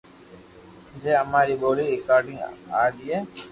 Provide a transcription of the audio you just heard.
جي اما ري ٻولي رآڪارڌ آئيئي